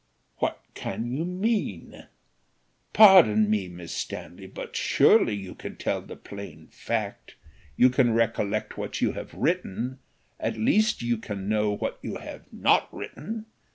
"What can you mean? Pardon me, Miss Stanley, but surely you can tell the plain fact; you can recollect what you have written at least you can know what you have not written.